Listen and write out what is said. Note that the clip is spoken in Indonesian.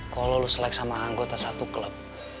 kalau lulus selek sama anggota satu klub